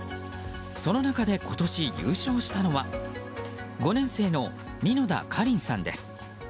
その中で今年優勝したのは５年生の蓑田かりんさんです。